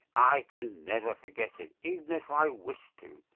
I can never forget it, even if I wished to.